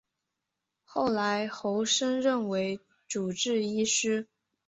后来侯升任为主治医师。